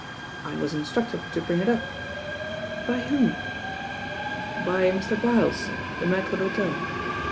"I was instructed tn bring it up." "By whom?" "By Mr. Byles, sir, the mattre d'hotel."